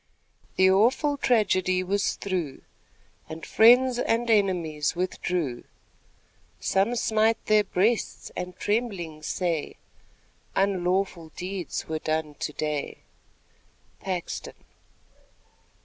The awful tragedy was through, And friends and enemies withdrew. Some smite their breasts and trembling say, "Unlawful deeds were done to day." Paxton.